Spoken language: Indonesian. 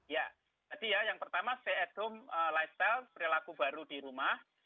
ya tadi ya yang pertama stay at home lifestyle perilaku baru di rumah